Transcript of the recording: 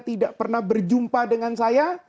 tidak pernah berjumpa dengan saya